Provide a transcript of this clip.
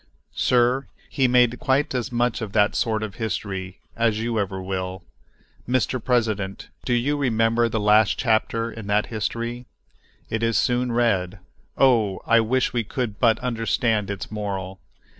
Sir, he made quite as much of that sort of history as you ever will. Mr. President, do you remember the last chapter in that history? It is soon read. Oh! I wish we could but understand its moral.